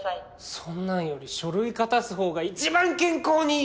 そんなんより書類片すほうが一番健康にいい！